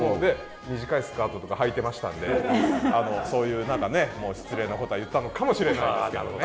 短いスカートとかはいてましたんでそういう失礼なことは言ったのかもしれないですけどもね。